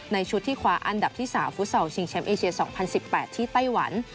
ในชุดที่คว้าอันดับที่สาวฟุตเซาชิงแชมป์เอเชียสองพันสิบแปดที่ไต้หวัน